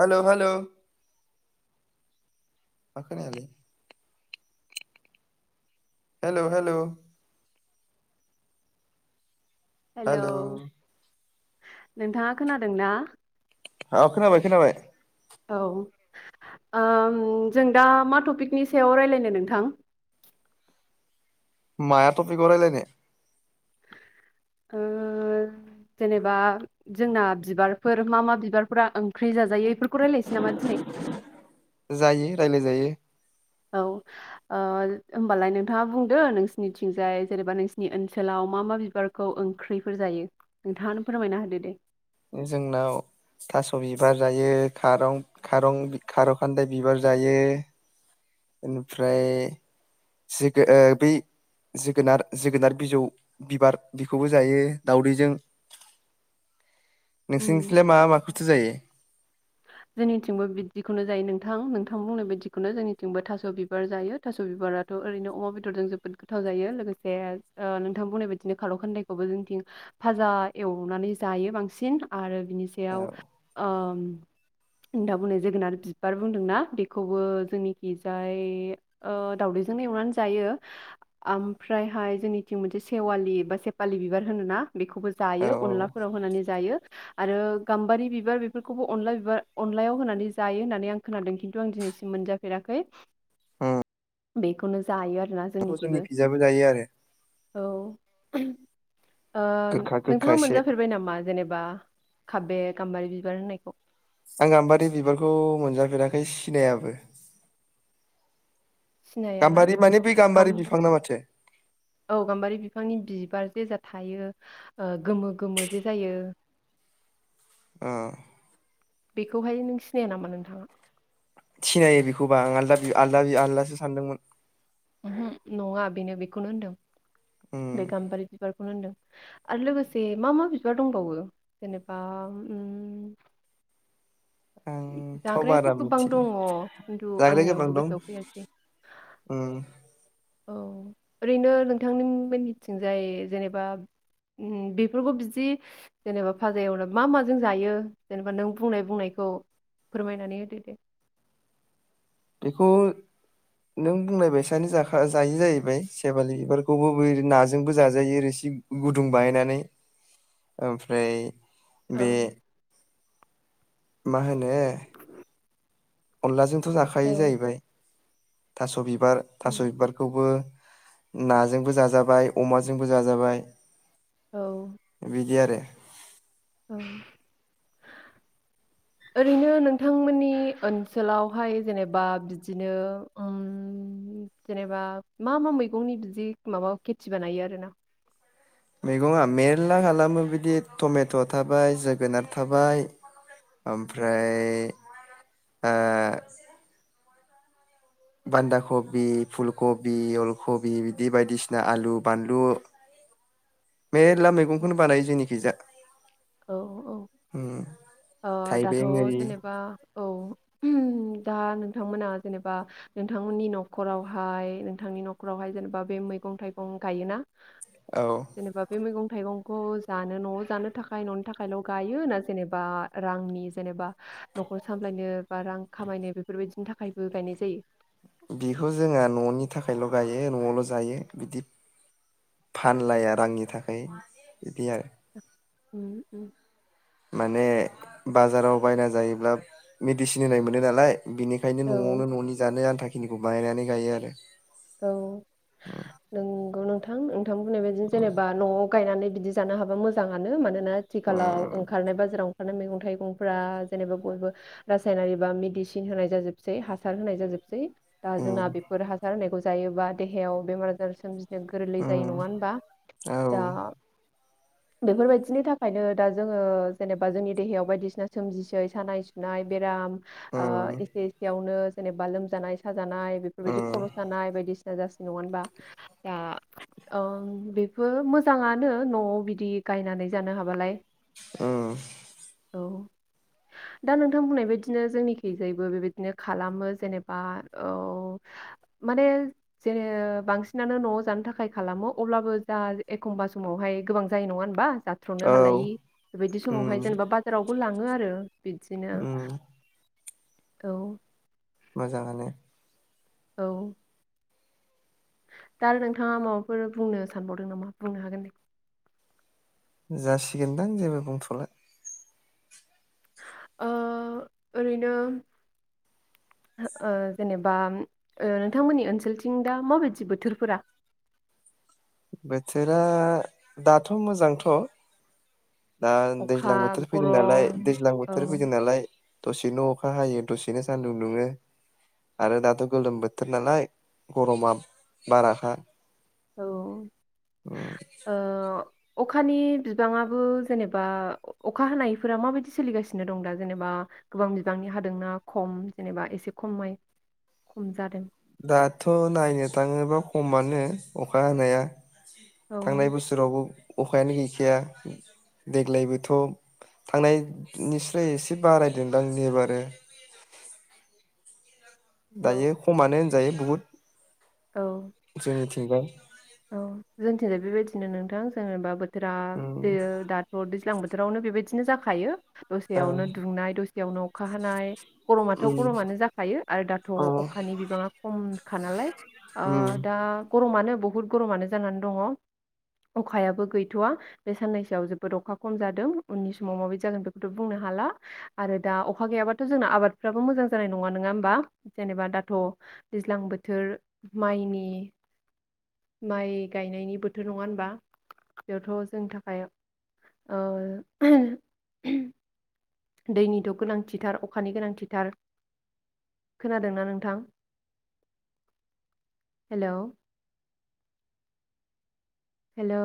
Hello hello मा खोनायालै। Hello hello hello नोंथाङा खोनादोंना? औ खोनाबाय खोनाबाय। औ ओम जों दा मा टपिकनि सायाव रायलायनो नोंथां माया थफिगाव रायलायनो। ओ जेनेबा जोंना बिबारफोर मा मा बिबारफोरा ओंख्रि जाजायो बेफोरखौ जायो रायलाय जायो। औ ओ होमबालाय नोंथाङा बुंदो नोंसिनिथिंजाय जेनेबा नोंसिनि ओनसोलाव मा मा बिबारखौ ओंख्रिफोर जायो नोंथाङानो फोरमायना होदो दे। ओ जोंनाव थास' बिबार जायो खारं खारं बि खार' खान्दाय बिबार जायो। ओमफ्राय जोगो ओ बै जोगोनार जोगोनार बिजौ बिबार बेखौबो जायो दउदैजों। उम नोंसिनिथिंलाय मा माखौ? थो जायो जोंनिथिंबो बिब्दिखौनो जायो नोंथां नोंथां बुंनाय बादिखौनो जोंनिथिंबो थास' बिबार जायो थास' बिबाराथ' ओरैनो अमा बेदरजों जोबोद गोथाव जायो लोगोसे ओ नोंथां बुंनाय बायदिनो खार' खान्दाइखौबो जोंनिथिं भाजा एवनानै जायो बांसिन आरो। बिनि औ सायाव ओ नोंथां बुंनाय जोगोनार बिबार बुंदोंना बेखौबो जोंनिखि जाय दाावदैजोंनो एवनानै जायो ओमफ्रायहाय जोंनिथिं मोनसे सेवालि बा सेफालि बिबार होनोना? बेखौबो औ जायो उम अनलाफोराव होनानै जायो। आरो गाम्बारि बिबार बेफोरखौबो अनला [unintelligible] अनलायाव होनानै जायो होननानै आं खोनादों खिन्थु आं दिनैसिम मोनजाफेराखै [inaudible] बेखौनो जायो आरो। आरोना बेखौ जोंनिखिबो। जोंनिखिजाबो जायो आरो औ ओ गोखा गोखा नोंथाङा एसे मोनजाफेरबाय नामा? जेनेबा काबेर गामबारि बिबार होनायखौ। आं आम्बारि बिबारखौ मोनजाफेराखै सिनायाबो। सिनाया ना गाम्बारि माने बै गाम्बारि गाम- बिफां ना माथो औ गाम्बारि बिफांनि बिबार जे जा थायो गोमो गोमो जे जायो। ओ बेखौहाय नों सिनाया नामा नोंथाङा? सिनायो बेखौबा आं आलदा आलदा आलदासो सानदोंमोन। उमहुम नङा बेनो बेखौनो होनदों। उम बे गाम्बारि बिबारखौनो होनदों। आरो लोगोसे मा मा बिबार दंबावो? जेनेबा उम आंथ' जाग्रायाथ' बारा गोबां दङ मिथिला खिन्थु जाग्राया गोबां आंनियावबो दं। गोसोआव फैयासै उम औ ओरैनो नोंथांनि मिननिथिंजाय जेनेबा ओम बेफोरखौ बिदि जेनेबा फाजा एवनायाव मा माजों जायो जेनेबा नों बुंनाय बुंनायखौ फोरमायनानै होदो दे। बेखौ नों बुंलायबायसानो जाखा- जायो जाहैबाय सेवालि बिबारखौबो नाजोंबो जा-जायो रोसि गुदुं बाहायनानै ओमफ्राय औ बे मा होनो [inaudible] अनलाजों थ' जाखायो औ जाहैबाय। थास' बि बार थास' बिबारखौबो नाजोंबो जाजाबाय अमाजोंबो जाजाबाय। औ [inaudible] बिदि आरो। औ [inaudible] ओरैनो नोंथांमोननि ओनसोलावहाय जेनेबा बिदिनो ओम जेनेबा मा मा मैगंनि बिदि माबा खेथि बानायो आरोना? मैगङा मेर्ला खालामो बिदिनो टमेट' थाबाय जोगोनार थाबाय ओमफ्राय आ बान्दा कबि, फुल कबि, अलखबि बिदि बायदिसिना आलु, बानलु [inaudible] मेर्ला मैगंखौनो बानायो जोंनिखिजा। [inaudible] हुम अ दाथ' जेनेबा औ उम। दा नोंथांमोना जेनेबा नोंथांमोननि न'खरावहाय नोंथांनि न'खरावहाय जेनेबा बे मैगं थाइगं गायोना? औ [inaudible] जेनेबा बे मैगं थाइगंखौ जानो न'आव जानो थाखाय न'नि थाखायल' गायो ना जेनेबा रांनि जेनेबा न'खर सामलायनो बा रां खामायनो बेफोरबायदिनि थाखायबो गायनाय जायो। बेखौ जोंहा न'नि थाखायल' गायो न'आवल' जायो बिदि फानलाया रांनि थाखाय। बिदि आरो उम उम। माने बाजाराव बायना जायोब्ला मिडिसिन होनाय मोनो नालाय। बिनिखायनो औ न'आवनो न'नि जानो आनथा खिनिखौ बायनानै गायो आरो औ नंगौ नोंथा थां ओं नोंथां बुंनायबायायदि जेनेबा न'आव गायनानै बिदि जानो हाबा मोजाङानो मानो ना आथिखालाव उम ओंखारनाय बाजाराव आरो मैगं थाइगंफोरा जेनेबा बयबो रासायनारि बा मेदिसिन होनाय जाजोबसै हासार होनाय जाजोबसै दा जोंना उम बेफोर हासार होनाय जायोबा देहायाव बेमार आजार सोमजि नो गोरलै जायो नङा उम होनबा औ दा उम बेफोरबायदिनि थाखायनो दा जोङो जेनेबा जोंनि देहायाव बायदिसिना सोमजिसै सानाय सुनाय बेराम ओ उम एसे एसेयावनो जेनेबा लोमजानाय सा जानाय बेफोरबायदि खर' सानाय बायदिसिना जासिनो नङा होनबा दा ओ बेफोर मोजाङानो न'आव बिदि गायनानै जानो हाबालाय ओम औ दा नोंथां बुंनायबायदिनो जोंनिखैजायबो बेबायदिनो खालामो जेनेबा औ माने जेने बांसिनानो न'आव जानो थाखाय खालामो अब्लाबो जा एखमबा समावहाय गोबां जायो नङा होनबा? जाथ्र'नो औ हालायि बेबायदि समावहाय उम जेनेबा बाजाराव खौ लाङो आरो बिदिनो उम औ मोजाङानो औ दा नोंथाङा माबाफोर बुंनो सानबावदों नामा बुंनो हागोन दे जासिगोनदां जेबो बुंथ'ला ओ ओरैनो ओ जेनेबा ओ नोंथांमोननि ओनसोलथिं दा माबायदि बोथोरफोरा बोथोरा दाथ' मोजांथ' दा अखा दैज्लां बोथोर फैदों नालाय गरम दैज्लां औ बोथोर फैदों नालाय दसेनो अखा हायो दसेनो सान्दुं दुङो आरो दाथ' गोलोम बोथोर नालाय गरमा बाराखा औ उम ओ अखानि बिबाङाबो जेनेबा अखा हानायफोरा माबायदि सोलिगासिनो दं दा जेनेबा गोबां बिबांनि हादोंना खम जेनेबा एसे खमै खम जादों दाथ' नायनो थाङोबा खमानो अखा हानाया। औ थांनाय बोसोरावबो अखायानो गैखाया देग्लायबोथ' थांनायनिस्राय एसे बारायदोंदां एबारो। औ दायो खमानो जायो बुहुद। जोंनिथिंबो। ओ जोंथिजाय बेबायदिनो नोंथां जेनेबा बो थोरा उम दाथ' दै ज्लां बोथोरावनो बेबायदिनो जाखायो। औ दसेयावनो दुंनाय दसेयावनो अखा हानाय गरमाथ' उम गरमानो जाखायो आरो दाथ' अ अखानि बिबाङा खमखा नालाय ओ उम दा गरमानो। बहुत। गरमानो जानान दङ अखायाबो गैथ'वा बे साननैसोआव जोबोद अखा खम जादों उननि समाव माबायदि जागोन बेखौथ' बुंनो हाला आरो दा अखा गैयाबाथ' जोंना आबादफ्राबो मोजां जानाय नङा होमबा जेनेबा दाथ' दैज्लां बोथोर माइनि माइ गायनायनि बोथोर नङा ओनबा बेयावथ' जोंनि थाखाय ओ दैनिथ' गोनांथिथार अखानि गोनांथिथार खोनादोंना नोंथां हेलौ। हेलौ।